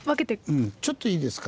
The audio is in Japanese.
うん「ちょっといいですか」